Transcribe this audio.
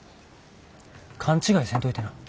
勘違いせんといてな。